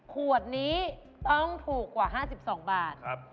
ขวดนี้ต้องถูกกว่า๕๒บาท